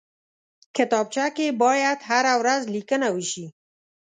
کتابچه کې باید هره ورځ لیکنه وشي